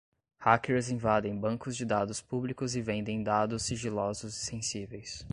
Hackers invadem bancos de dados públicos e vendem dados sigilosos e sensíveis